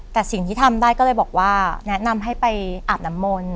แต่สิ่งที่ทำได้ก็เลยบอกว่าแนะนำให้ไปอาบน้ำมนต์